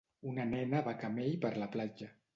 Una nena va a camell per la platja.